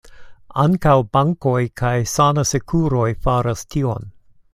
Ankaŭ bankoj kaj sanasekuroj faras tion.